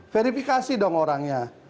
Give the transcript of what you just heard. verifikasi dong orangnya